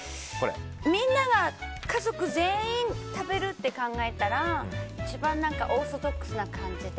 みんなが家族全員食べるって考えたら一番オーソドックスかな感じで。